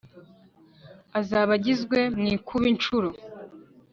Azabagwize f mwikube incuro